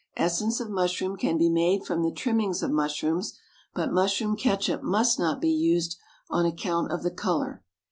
Essence of mushroom can be made from the trimmings of mushrooms, but mushroom ketchup must not be used on account of the colour.